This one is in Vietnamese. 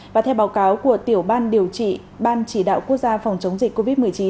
và theo báo cáo của tiểu ban điều trị ban chỉ đạo quốc gia phòng chống dịch covid một mươi chín